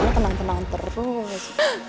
kamu tenang tenang terus